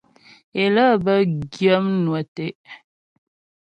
É lə́ bə́ gyə̂ mnwə tɛ́'.